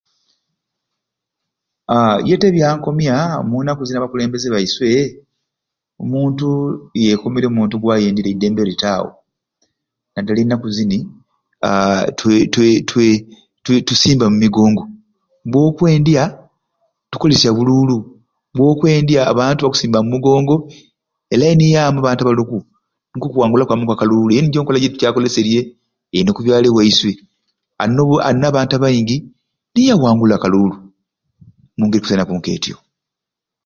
Aaa yete ebyankomya mu nnaku zini abakulembeze baiswe omuntu yekomerya omuntu gwayenderye eddembe litaawo naddala ennaku zini aa twe twe twe twe tusimba mu migongo bokwendya tukolesya bululu geokwendya abantu bakusimba mu mugongo e layini yaamu abantu abaluku nikwo kuwangula kwamu okwa kaluulu eyo nijjo nkola gitukyakoleserye eni oku byalo byaiswe alina obu alina abantu abaingi niye awangula akaluulu mu ngeri ekwisanaku k'etyo.